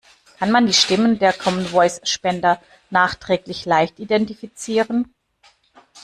Kann man die Stimmen der Common Voice Spender nachträglich leicht identifizieren?